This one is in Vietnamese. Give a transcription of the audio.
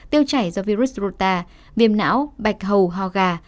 tiêu chảy do virus rota viêm não bạch hầu ho gà